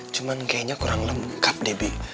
cuman kayaknya kurang lengkap deh bi